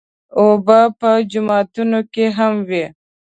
اوبه په جوماتونو کې هم وي.